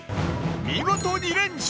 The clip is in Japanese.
見事２連勝！